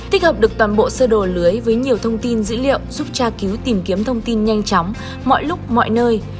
tích hợp được toàn bộ sơ đồ lưới với nhiều thông tin dữ liệu giúp tra cứu tìm kiếm thông tin nhanh chóng mọi lúc mọi nơi